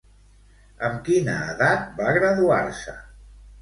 Amb quina edat va graduar-se?